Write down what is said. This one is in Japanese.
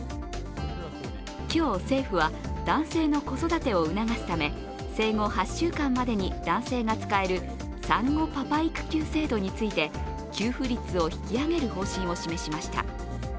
今日、政府は男性の子育てを促すため生後８週間までに男性が使える産後パパ育休制度について給付率を引き上げる方針を示しました。